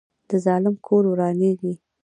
د ظالم کور ورانیږي